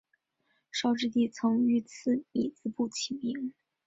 绍治帝曾御赐米字部起名。